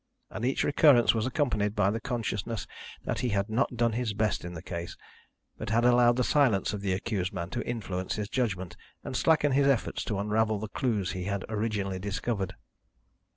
And each recurrence was accompanied by the consciousness that he had not done his best in the case, but had allowed the silence of the accused man to influence his judgment and slacken his efforts to unravel the clues he had originally discovered.